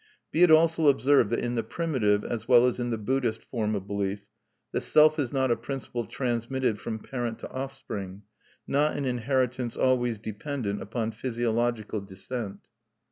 Be it also observed that in the primitive as well as in the Buddhist form of belief the self is not a principle transmitted from parent to offspring, not an inheritance always dependent upon physiological descent.